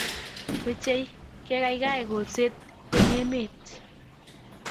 Mechei kekaikai kolset eng' emet